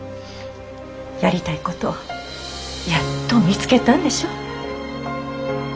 やりたいことやっと見つけたんでしょ？